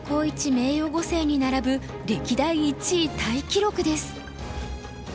名誉碁聖に並ぶ歴代１位タイ記録です。